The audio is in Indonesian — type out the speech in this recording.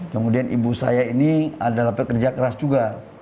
kemudian ibu saya ini adalah pekerja keras juga